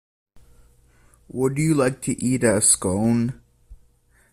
Would you like to eat a Scone?